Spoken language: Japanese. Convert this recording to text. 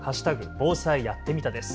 防災やってみたです。